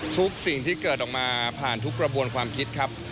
สิ่งที่เกิดออกมาผ่านทุกกระบวนความคิดครับ